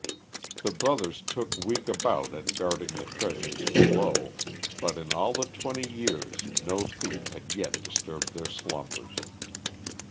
The brothers took week about at guarding the treasures below, but in all the twenty years no thief had yet disturbed their slumbers.